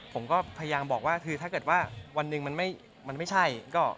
ผมก็พยายามบอกว่าคือถ้าเกิดว่าวันหนึ่งมันไม่ใช่ก็